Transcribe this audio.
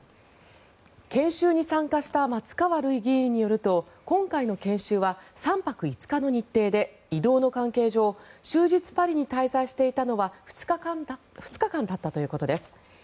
研修に参加した松川るい議員によると今回の研修は３泊５日の日程で移動の関係上終日パリに滞在していたのは２日間だったということです。